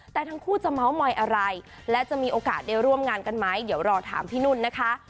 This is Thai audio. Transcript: แต่ทั้งคู่จะเมาส์มอยอะไรและจะมีโอกาสได้ร่วมงานกันไหมเดี๋ยวรอถามพี่นุ่นนะคะ